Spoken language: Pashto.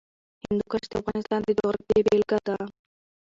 هندوکش د افغانستان د جغرافیې بېلګه ده.